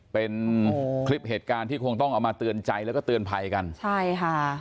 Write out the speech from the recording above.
เป็นคลิปเหตุการณ์ที่คงต้องเอามาเตือนใจแล้วก็เตือนภัยกันใช่ค่ะ